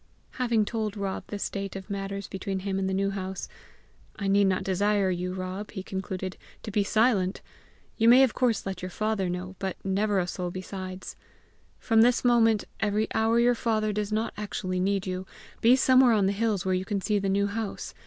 Having told Rob the state of matters between him and the New House "I need not desire you, Rob," he concluded, "to be silent! You may of course let your father know, but never a soul besides. From this moment, every hour your father does not actually need you, be somewhere on the hills where you can see the New House.